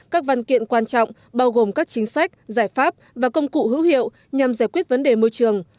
các văn kiện quan trọng bao gồm các chính sách giải pháp và công cụ hữu hiệu nhằm giải quyết vấn đề môi trường